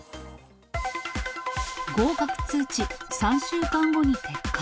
合格通知、３週間後に撤回。